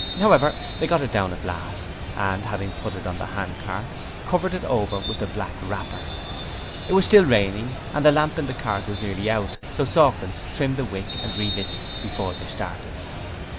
However, they got it down at last and, having put it on the handcart, covered it over with the black wrapper. It was still raining and the lamp in the cart was nearly out, so Sawkins trimmed the wick and relit it before they started.